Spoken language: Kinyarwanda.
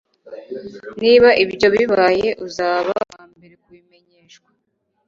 Niba ibyo bibaye uzaba uwambere kubimenyeshwa